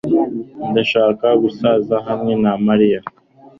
Ndashaka gusaza hamwe na Mariya